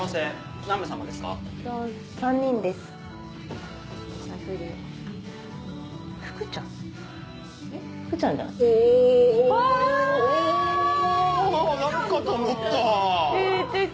誰かと思った。